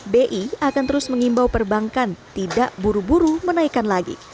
bi akan terus mengimbau perbankan tidak buru buru menaikkan lagi